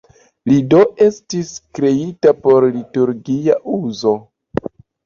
Ĝi do estis kreita por liturgia uzo.